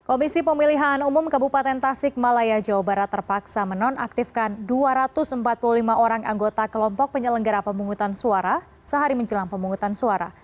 komisi pemilihan umum kabupaten tasik malaya jawa barat terpaksa menonaktifkan dua ratus empat puluh lima orang anggota kelompok penyelenggara pemungutan suara sehari menjelang pemungutan suara